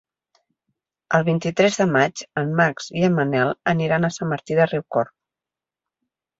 El vint-i-tres de maig en Max i en Manel aniran a Sant Martí de Riucorb.